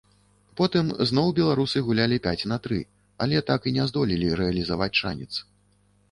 Потым зноў беларусы гулялі пяць на тры, але так і не здолелі рэалізаваць шанец.